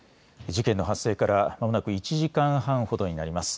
事件の発生からまもなく１時間半ほどになります。